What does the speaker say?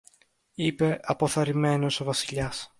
είπε αποθαρρυμένος ο Βασιλιάς.